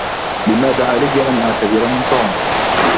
لماذا عليَّ أن أعتذر من توم؟